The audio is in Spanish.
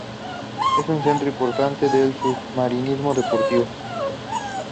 Es un centro importante del submarinismo deportivo.